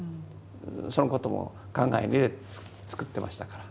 そのことも考えに入れて作ってましたから。